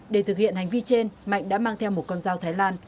để thực hiện hành vi trên mạnh đã mang theo một con dao thái lan